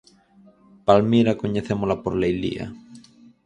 Palmira coñecémola por Leilía.